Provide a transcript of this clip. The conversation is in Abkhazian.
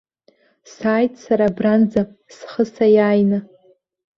Сааит сара абранӡа, схы саиааины.